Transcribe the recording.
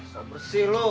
sawa bersih loh